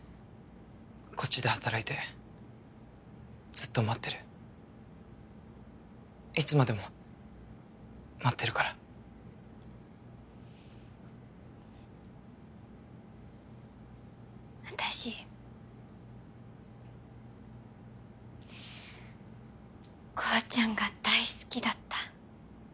こっちで働いてずっと待ってるいつまでも待ってるから私コウちゃんが大好きだった